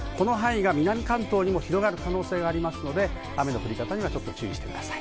南関東に広がる可能性がありますので、雨の降り方に注意してください。